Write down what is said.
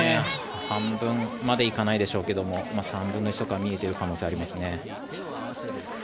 半分まで行かないでしょうけども３分の１とかは見えてる可能性がありますね。